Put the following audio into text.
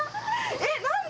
えっ何で？